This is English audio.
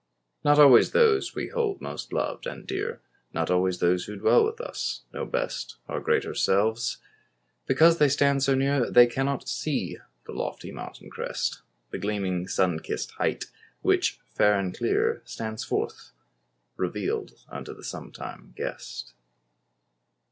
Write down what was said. Not always those we hold most loved and dear, Not always those who dwell with us, know best Our greater selves. Because they stand so near They cannot see the lofty mountain crest, The gleaming sun kissed height, which fair and clear Stands forth—revealed unto the some time guest.